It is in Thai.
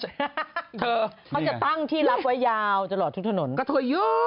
ช่วงเย็นถึงค่ำกองบัญชาการตรวจจราจรไปทันสัมพันธ์แล้วนะคะว่า